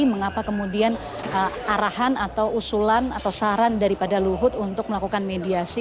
mengapa kemudian arahan atau usulan atau saran daripada luhut untuk melakukan mediasi